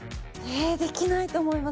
えできないと思います